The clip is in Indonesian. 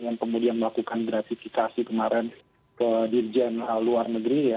yang kemudian melakukan gratifikasi kemarin ke dirjen luar negeri ya